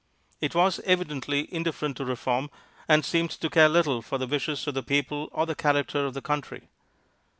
It was evidently indifferent to reform, and seemed to care little for the wishes of the people or the character of the country.